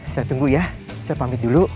saya tunggu ya saya pamit dulu